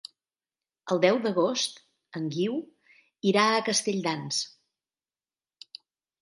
El deu d'agost en Guiu irà a Castelldans.